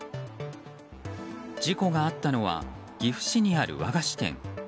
事故があったのは岐阜市にある和菓子店。